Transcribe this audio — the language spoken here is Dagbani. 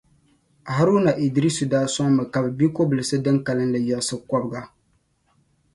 Haruna Idrisu daa soŋmi ka bi gbi kobilisi din kalinli yiɣisi kobiga.